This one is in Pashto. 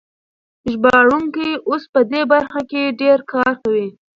ژباړونکي اوس په دې برخه کې ډېر کار کوي.